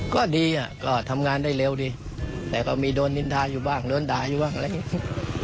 ก็ดีอ่ะก็ทำงานได้เร็วดีแต่ก็มีโดนนินทาอยู่บ้างโดนด่าอยู่บ้างอะไรอย่างนี้